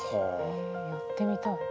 へえやってみたい。